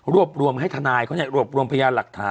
รวบรวมให้ทนายเขารวบรวมพยานหลักฐาน